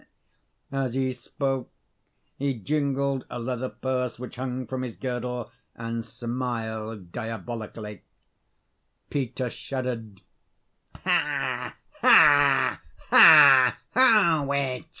As he spoke he jingled a leather purse which hung from his girdle and smiled diabolically. Peter shuddered. "Ha, ha, ha!